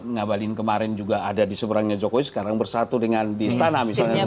ngabalin kemarin juga ada di seberangnya jokowi sekarang bersatu dengan di istana misalnya